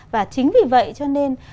và chính vì vậy cho nên